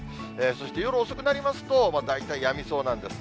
そして夜遅くなりますと、大体やみそうなんです。